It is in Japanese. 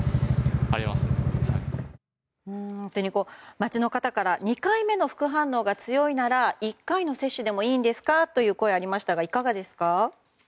街の方から２回目の副反応が強いなら１回の接種でもいいんですかという声がありましたがいかがですか？